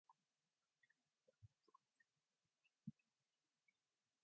He received a common-school education.